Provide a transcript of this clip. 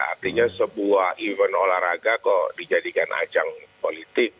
artinya sebuah event olahraga kok dijadikan ajang politik